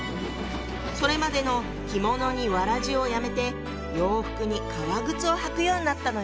それまでの着物に草鞋をやめて洋服に革靴を履くようになったのよ。